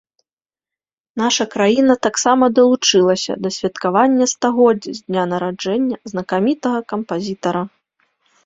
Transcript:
Наша краіна таксама далучылася да святкавання стагоддзя з дня нараджэння знакамітага кампазітара.